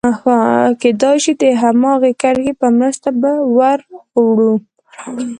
کېدای شي د هماغې کرښې په مرسته به ور اوړو.